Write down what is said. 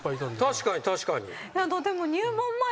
確かに確かに。